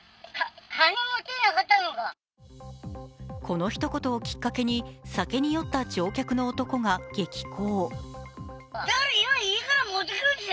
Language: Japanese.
このひと言をきっかけに、酒に酔った乗客の男が激高。